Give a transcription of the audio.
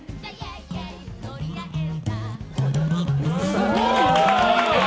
すごいな！